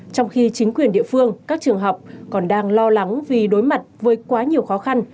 trong khi chính quyền địa phương các trường học còn đang lo lắng vì đối mặt với quá nhiều khó khăn